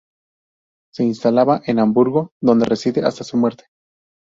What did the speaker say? Se instala en Hamburgo, donde reside hasta su muerte.